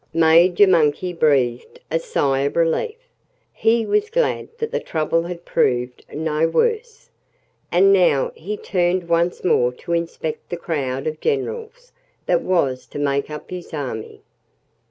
Major Monkey breathed a sigh of relief. He was glad that the trouble had proved no worse. And now he turned once more to inspect the crowd of generals that was to make up his army.